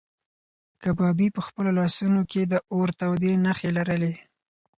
کبابي په خپلو لاسو کې د اور تودې نښې لرلې.